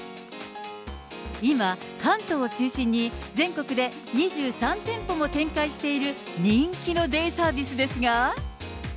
今、関東を中心に、全国で２３店舗も展開している人気のデイサービスですが。